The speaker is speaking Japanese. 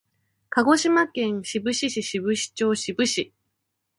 鹿児島県志布志市志布志町志布志